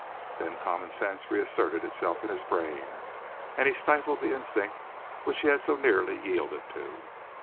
Then common sense reasserted itself in his brain, and he stifled the instinct which he had so nearly yielded to.